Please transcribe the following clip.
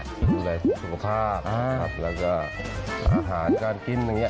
ดูแลสุขภาพครับแล้วก็อาหารการกินอย่างนี้